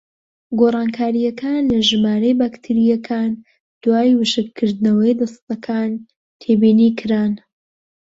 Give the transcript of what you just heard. گۆڕانکاریەکان لە ژمارەی بەکتریاکان دوای وشکردنەوەی دەستەکان تێبینیکران: